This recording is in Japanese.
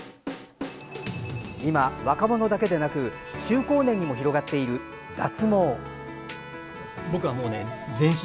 今、若者だけでなく中高年にも広がっている脱毛。